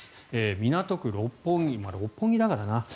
港区六本木まあ、六本木だからな。